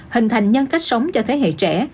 hình thành nhân cách sống cho thế hệ trẻ